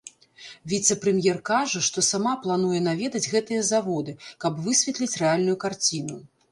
Віцэ-прэм'ер кажа, што сама плануе наведаць гэтыя заводы, каб высветліць рэальную карціну.